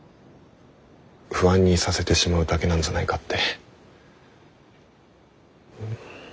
不安にさせてしまうだけなんじゃないかって。